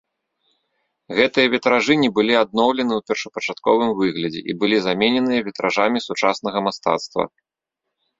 Гэтыя вітражы не былі адноўлены ў першапачатковым выглядзе і былі замененыя вітражамі сучаснага мастацтва.